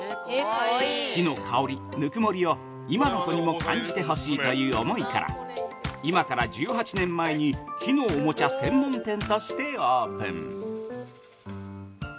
木の香り・ぬくもりを今の子にも感じてほしいという思いから、今から１８年前に木のおもちゃ専門店としてオープン。